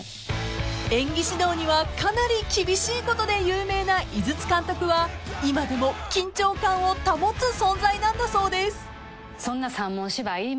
［演技指導にはかなり厳しいことで有名な井筒監督は今でも緊張感を保つ存在なんだそうです］